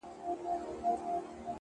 خداى خو دې هركله د سترگو سيند بهانه لري؛